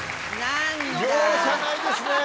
容赦ないですね！